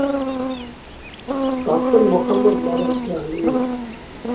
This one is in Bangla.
তখন মুহাম্মাদ বললেন, ‘হে আলী!